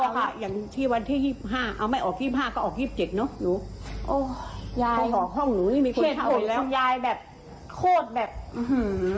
อย่างที่วันที่๒๕เอาไม่ออก๒๕ก็ออก๒๗เนาะหนู